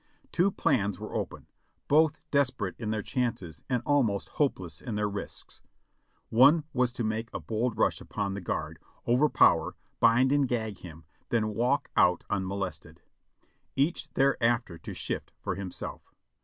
Two plans were open, both desperate in their chances and almost hopeless in their risks. One was to make a bold rush upon the guard, overpower, bind and gag him, then walk out unmolested; each thereafter to shift for himself.